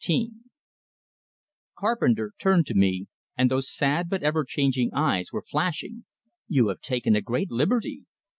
XIV Carpenter turned to me and those sad but everchanging eyes were flashing. "You have taken a great liberty!"